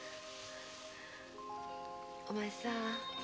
お前さん